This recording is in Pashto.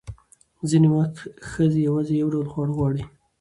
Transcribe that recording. ځینې وخت ښځې یوازې یو ډول خواړه غواړي.